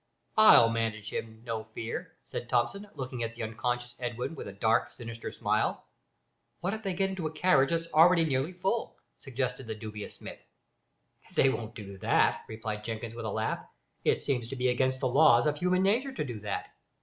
"I'll manage him, no fear," said Thomson, looking at the unconscious Edwin with a dark sinister smile. "What if they get into a carriage that's already nearly full?" suggested the dubious Smith. "They won't do that," replied Jenkins with a laugh. "It seems to be against the laws of human nature to do that.